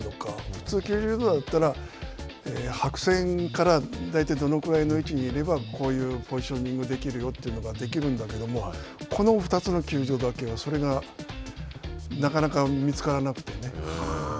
普通９０度だったら、白線から大体どのぐらいの位置にいれば、こういうポジショニングができるよというのができるんだけど、この２つの球場だけはそれがなかなか見つからなくてね。